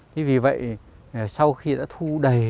thế vì vậy sau khi đã thu đầy